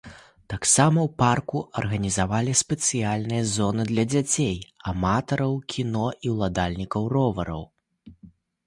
Таксама ў парку арганізавалі спецыяльныя зоны для дзяцей, аматараў кіно і ўладальнікаў ровараў.